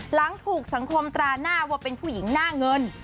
หลังถูกสังคมตราหน้าว่าเป็นผู้หญิงหน้าเงิน